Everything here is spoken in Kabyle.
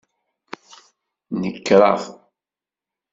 Nekreɣ.